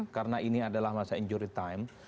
karena ini adalah masa injury time